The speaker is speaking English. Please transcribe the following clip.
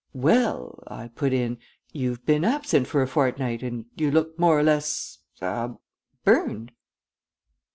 "Well," I put in, "you've been absent for a fortnight, and you look more or less ah burned."